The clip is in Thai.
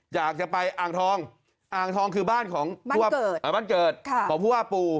อยากจะไปอ่างทองอ่างทองคือบ้านของบ้านเกิดของผู้ว่าปู